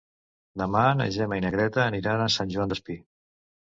Demà na Gemma i na Greta aniran a Sant Joan Despí.